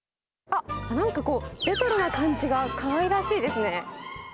あっ、なんかこう、レトロな感じがかわいらしいですね。